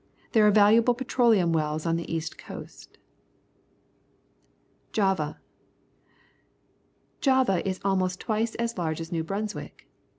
There are valuable petroleum wells on the east coast. Java. — Java is almost twice as large as New Brunswick.